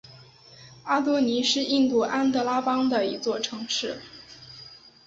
阿多尼是印度安得拉邦的一座城市。